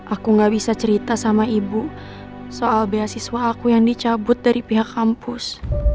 aku gak bisa cerita sama ibu soal beasiswa aku yang dicabut dari pihak kampus